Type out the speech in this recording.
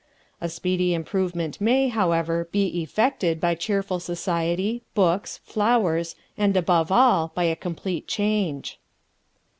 A speedy improvement may, however, be effected by cheerful society, books, flowers, and, above all, by a complete change.